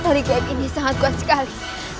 tali gap ini sangat kuat sekali